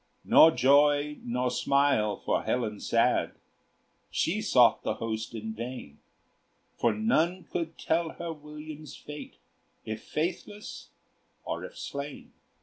Nor joy nor smile for Helen sad; She sought the host in vain; For none could tell her William's fate, If faithless or if slain.